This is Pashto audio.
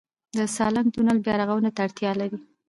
د سالنګ تونل بیارغونې ته اړتیا لري؟